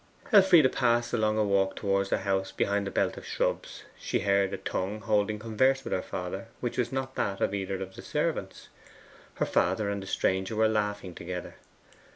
Elfride passed along a walk towards the house behind a belt of shrubs. She heard a tongue holding converse with her father, which was not that of either of the servants. Her father and the stranger were laughing together.